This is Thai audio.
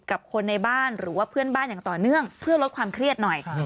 กับคนในบ้านหรือว่าเพื่อนบ้านอย่างต่อเนื่องเพื่อลดความเครียดหน่อย